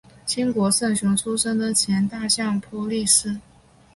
清国胜雄出身的前大相扑力士。